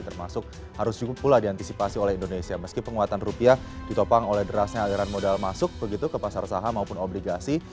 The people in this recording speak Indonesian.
termasuk harus cukup pula diantisipasi oleh indonesia meski penguatan rupiah ditopang oleh derasnya aliran modal masuk begitu ke pasar saham maupun obligasi